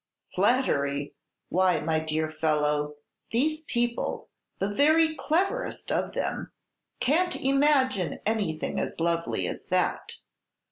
"Flattery! Why, my dear fellow, these people, the very cleverest of them, can't imagine anything as lovely as that.